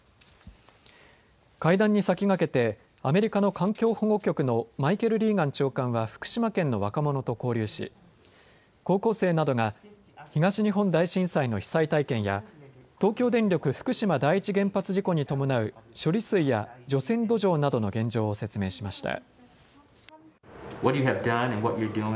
会談に先駆けてアメリカの環境保護局のマイケル・リーガン長官は福島県の若者と交流し、高校生などが東日本大震災の被災体験や東京電力福島第一原発事故に伴う処理水や除染土壌などの現状を説明しました。